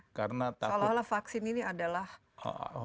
soalnya vaksin ini adalah